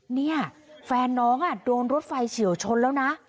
เนี่ยแฟนน้องโดนรถไฟเฉียวชนแล้วนะ